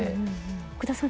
奥田さん